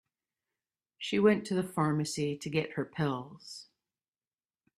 She went to the pharmacy to get her pills.